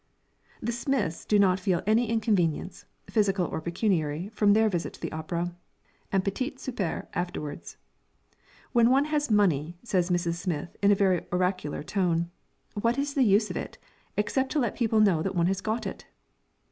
The Smiths do not feel any inconvenience, physical or pecuniary, from their visit to the opera, and petit souper afterwards. "When one has money," says Mrs. Smith, in a very oracular tone, "what is the use of it, except to let people know that one has got it!"